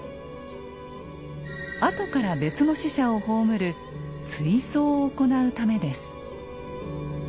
あとから別の死者を葬る「追葬」を行うためです。